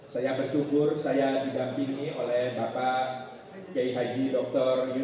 saya bersyukur saya didampingi oleh bapak g h d yusnari yusuf